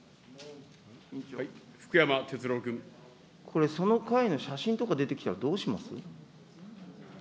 これ、その会の写真とか出てきたらどうします。